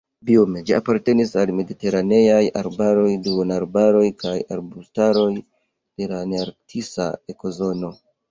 Biome ĝi apartenas al mediteraneaj arbaroj, duonarbaroj kaj arbustaroj de la nearktisa ekozono.